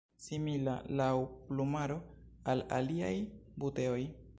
Simila laŭ plumaro al aliaj buteoj.